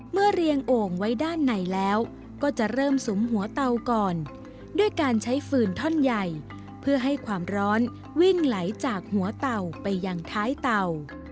เรียงโอ่งไว้ด้านในแล้วก็จะเริ่มสุมหัวเตาก่อนด้วยการใช้ฟืนท่อนใหญ่เพื่อให้ความร้อนวิ่งไหลจากหัวเต่าไปยังท้ายเต่า